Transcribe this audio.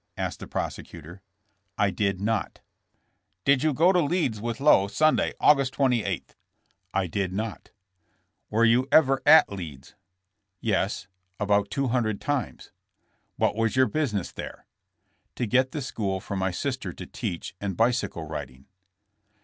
asked the prose cutor. *'Ididnot" 184 JESS« JAMSS. Did you go to Leeds with Lowe, Sunday, August 28?'' 'a did not.'' ''Were you ever at Leeds?" *'Yes; about two hundred times." What was your business there?" '*To get the school for my sister to teach, and bicycle riding."